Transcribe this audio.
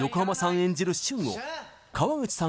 演じる駿を川口さん